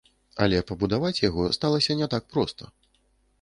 Але пабудаваць яго сталася не так проста.